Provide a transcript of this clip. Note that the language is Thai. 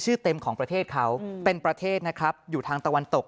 เต็มของประเทศเขาเป็นประเทศนะครับอยู่ทางตะวันตก